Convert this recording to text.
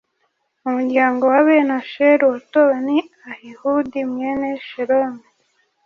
mu muryango wa bene asheri, uwatowe ni ahihudi mwene shelomi.